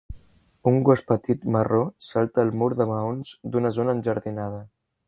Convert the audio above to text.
Un gos petit marró salta el mur de maons d'una zona enjardinada.